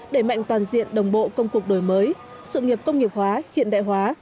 đẩy mạnh toàn diện đồng bộ công cuộc đổi mới sự nghiệp công nghiệp hóa hiện đại hóa